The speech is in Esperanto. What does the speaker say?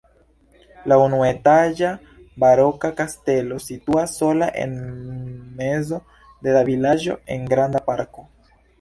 La unuetaĝa baroka kastelo situas sola en mezo de la vilaĝo en granda parko.